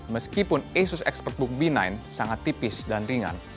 meskipun asus expertbook b sembilan sangat tipis dan ringan